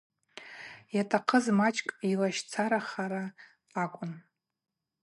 Йатахъыз мачӏкӏ йлацщарахара акӏвын.